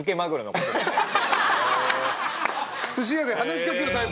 すし屋で話し掛けるタイプの。